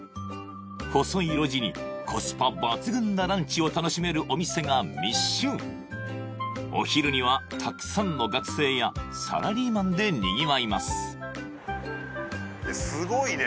細い路地にコスパ抜群なランチを楽しめるお店が密集お昼にはたくさんの学生やサラリーマンでにぎわいますいいね